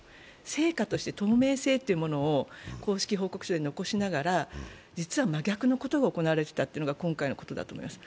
成果として透明性というのを公式報告書に残しながら実は真逆のことが行われていたというのが今回のことだと思います。